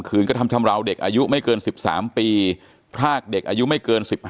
กระทำชำราวเด็กอายุไม่เกิน๑๓ปีพรากเด็กอายุไม่เกิน๑๕